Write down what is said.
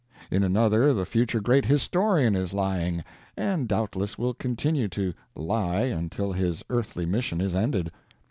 In another the future great historian is lying — and doubtless will continue to lie until his earthly mission is ended.